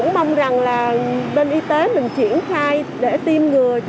cháu mong rằng là bên y tế mình triển khai để tiêm ngừa